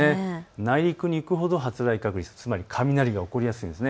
内陸に行くほど発雷確率、つまり雷が起こりやすい。